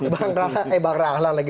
bang eh bang rahlan lagi